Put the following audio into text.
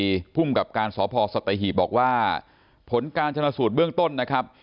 เปรียมปรีภูมิกับการสอบพอร์สไตเฮีบบอกว่าผลการชนสูตรเบื้องต้นนะครับ